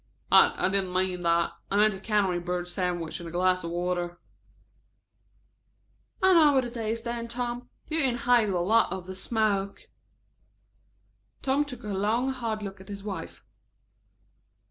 "I didn't mean that. I meant a canary bird sandwich and a glass of water." "I know what it is then, Tom. You inhaled a lot of the smoke." Tom took a long hard look at his wife.